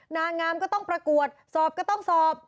นางงามก็ต้องประกวดสอบก็ต้องสอบ